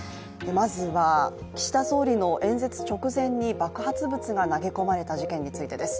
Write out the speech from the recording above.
まずは、岸田総理の演説直前に爆発物が投げ込まれた事件についてです。